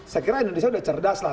saya kira indonesia sudah cerdas lah